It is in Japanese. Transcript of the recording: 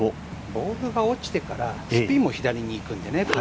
ボールが落ちてから、スピンが左にいくんでね。